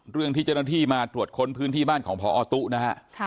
เรื่องที่เจ้าหน้าที่มาตรวจค้นพื้นที่บ้านของพอตู้นะฮะ